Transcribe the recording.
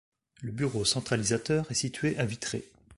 Le bureau centralisateur est situé à Vitré.